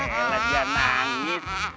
ya elah dia nangis